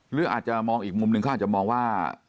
หรืออาจจะมองอีกมุมหนึ่งเขาอาจจะมองว่า